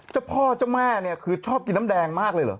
เจ้าพ่อเจ้าแม่เนี่ยคือชอบกินน้ำแดงมากเลยเหรอ